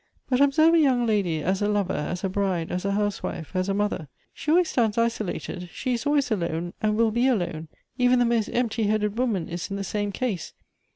But observe a young lady as a lover, as a bride, as a housewife, as a mother. She always stands isolated. She is always alone, and will be alone. Even the most empty headed woman is in the same case.